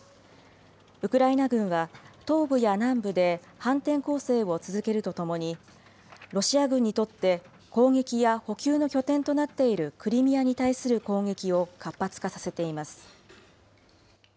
ウクライナ軍は、東部や南部で反転攻勢を続けるとともに、ロシア軍にとって攻撃や補給の拠点となっているクリミアに対する攻撃を活発化させています。